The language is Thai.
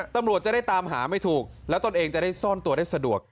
ตำรวจจะได้ตามหาไม่ถูกแล้วตนเองจะได้ซ่อนตัวได้สะดวก